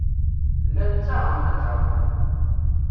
Llan ttaɣen-d aǧernan.